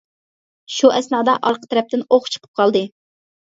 شۇ ئەسنادا ئارقا تەرەپتىن ئوق چىقىپ قالدى.